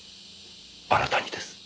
あなたにです。